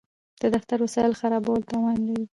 د دفتر وسایل خرابول تاوان دی.